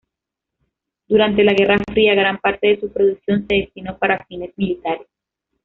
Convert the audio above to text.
Durante la guerra fría gran parte de su producción se destinó para fines militares.